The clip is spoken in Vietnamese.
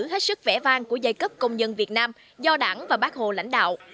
hết sức vẽ vang của giai cấp công nhân việt nam do đảng và bác hồ lãnh đạo